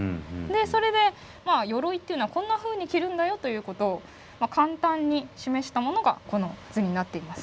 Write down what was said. それで鎧っていうのはこんなふうに着るんだよということを簡単に示したものがこの図になっています。